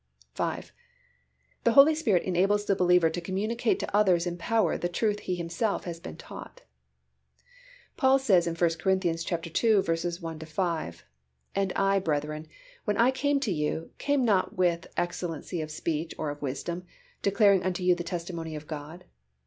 V. The Holy Spirit enables the believer to communicate to others in power the truth he himself has been taught. Paul says in 1 Cor. ii. 1 5, "And I, brethren, when I came to you, came not with excellency of speech or of wisdom, declaring unto you the testimony of God.